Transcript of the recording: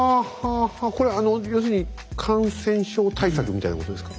これ要するに感染症対策みたいなことですか？